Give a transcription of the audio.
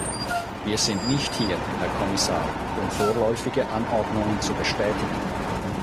Wir sind nicht hier, Herr Kommissar, um vorläufige Anordnungen zu bestätigen.